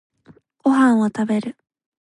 ご飯を食べる。